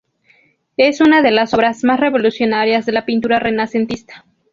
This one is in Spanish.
Es una de las obras más revolucionarias de la pintura renacentista.